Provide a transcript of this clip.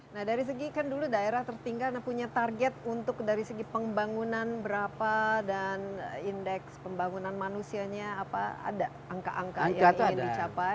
nah dari segi kan dulu daerah tertinggal punya target untuk dari segi pembangunan berapa dan indeks pembangunan manusianya apa ada angka angka yang ingin dicapai